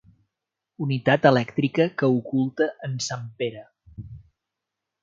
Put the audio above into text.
Unitat elèctrica que oculta en Sampere.